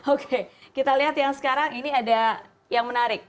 oke kita lihat yang sekarang ini ada yang menarik